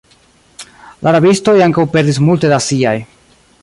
La rabistoj ankaŭ perdis multe da siaj.